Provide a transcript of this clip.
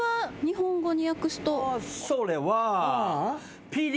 それは。